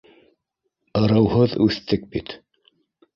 Ырыуһыҙ үҫтек бит